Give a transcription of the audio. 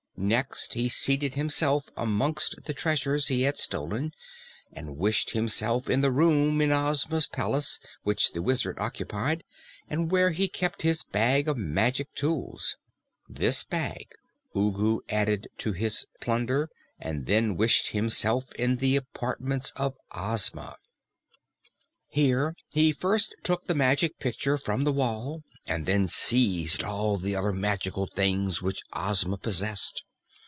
Next he seated himself amongst the treasures he had stolen and wished himself in the room in Ozma's palace which the Wizard occupied and where he kept his bag of magic tools. This bag Ugu added to his plunder and then wished himself in the apartments of Ozma. Here he first took the Magic Picture from the wall and then seized all the other magical things which Ozma possessed.